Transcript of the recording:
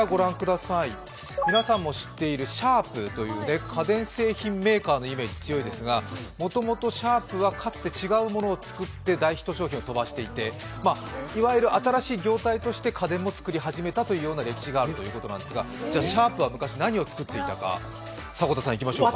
皆さんも知っているシャープという、家電製品メーカーのイメージ多いですがもともとシャープはかつて違うものを作って大ヒット消費をとばしていて、いわゆる新しい業態として家電も作り始めたという歴史があるということですがシャープは昔何を作っていたでしょうか。